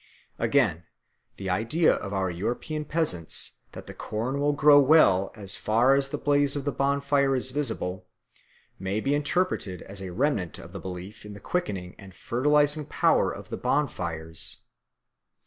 Again, the idea of our European peasants that the corn will grow well as far as the blaze of the bonfire is visible, may be interpreted as a remnant of the belief in the quickening and fertilising power of the bonfires.